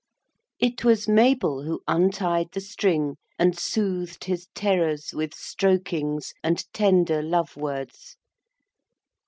It was Mabel who untied the string and soothed his terrors with strokings and tender love words.